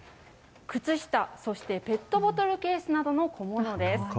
靴下、そしてペットボトルケースなどの小物です。